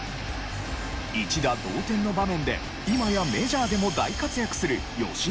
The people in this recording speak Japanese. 一打同点の場面で今やメジャーでも大活躍する吉田の打席。